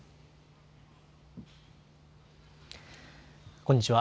こんにちは。